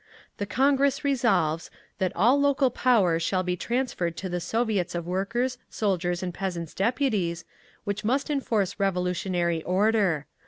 The Congress resolves: that all local power shall be transferred to the Soviets of Workers', Soldiers' and Peasants' Deputies, which must enforce revolutionary order.